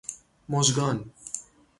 مژگان